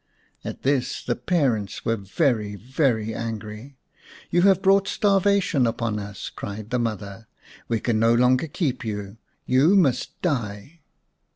At this the parents were very, very angry. "You have brought starvation upon us," cried the mother. " We can no longer keep you ; you must die."